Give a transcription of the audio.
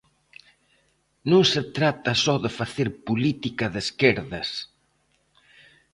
Non se trata só de facer política de esquerdas.